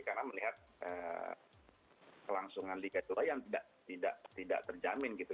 karena melihat kelangsungan liga dua yang tidak terjamin gitu